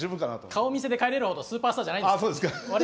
顔見せで帰れるほどスーパースターじゃないんです。